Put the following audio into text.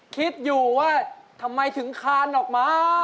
คิดอยู่ว่าทำไมถึงคานออกมา